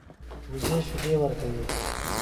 وزې شیدې ورکوي